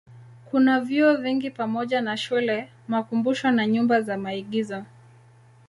Kuna vyuo vingi pamoja na shule, makumbusho na nyumba za maigizo.